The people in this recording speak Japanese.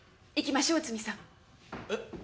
行きましょう内海さん。